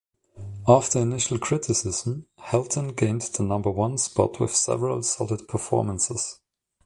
After initial criticism, Helton gained the number one spot with several solid performances.